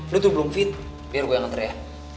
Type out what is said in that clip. lo tuh belum fit biar gue yang ngantri ya